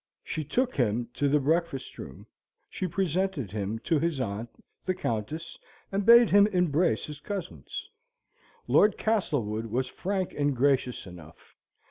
She took him to the breakfast room; she presented him to his aunt, the Countess, and bade him embrace his cousins. Lord Castlewood was frank and gracious enough.